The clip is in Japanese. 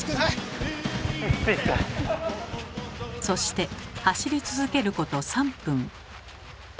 そして走り続けること３分。